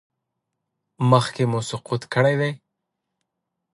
مخکې مو سقط کړی دی؟